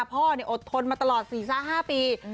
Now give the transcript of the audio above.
อดทนมาตลอด๔๕ปี